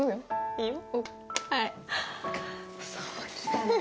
いいよ。